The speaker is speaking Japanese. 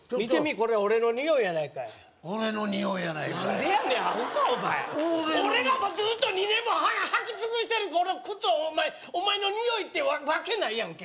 これ俺のニオイやないかい俺のニオイやないかい何でやねんアホかお前俺の俺がずっと２年も履き尽くしてるこの靴お前お前のニオイってわけないやんけ